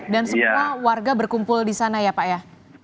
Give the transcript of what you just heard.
dan semua warga berkumpul di sana ya pak ya